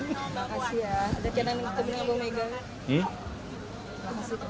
terima kasih ya ada kenal dengan bomega